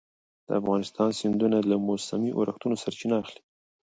د افغانستان سیندونه له موسمي اورښتونو سرچینه اخلي.